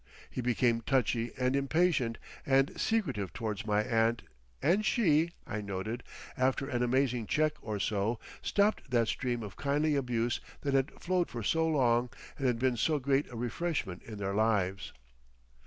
He became touchy and impatient and secretive towards my aunt, and she, I noted, after an amazing check or so, stopped that stream of kindly abuse that had flowed for so long and had been so great a refreshment in their lives.